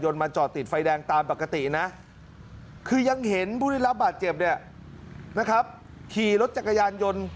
มาจอดติดไฟแดงตามปกตินะคือยังเห็นผู้ได้รับบาดเจ็บเนี่ยนะครับขี่รถจักรยานยนต์